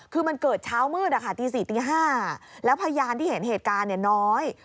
คือมันเกิดเช้ามืดตี๔ตี๕แล้วพยานที่เห็นเหตุการณ์น้อย